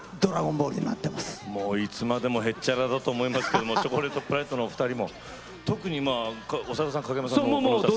いつまでもヘッチャラだと思いますけどもチョコレートプラネットのお二人も特に長田さん影山さんのこの歌好きですよね。